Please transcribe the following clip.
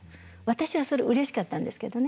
私はそれうれしかったんですけどね。